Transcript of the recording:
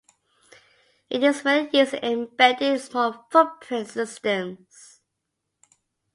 It is mainly used in embedded and small-footprint systems.